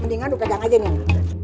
mendingan lu pegang aja nih